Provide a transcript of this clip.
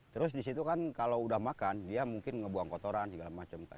terus di situ kan kalau udah makan dia mungkin ngebuang kotoran segala macam